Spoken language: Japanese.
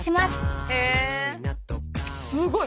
すごい！